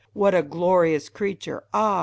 What a glorious creature ! Ah !